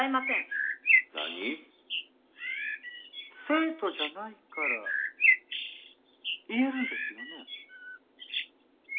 生徒じゃないから言えるんですよね？